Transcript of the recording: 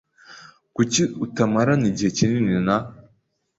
Kuki utamarana igihe kinini na ?